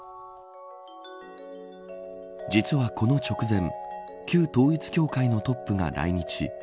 実は、この直前旧統一教会のトップが来日。